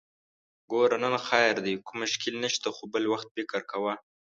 ګوره! نن خير دی، کوم مشکل نشته، خو بل وخت فکر کوه!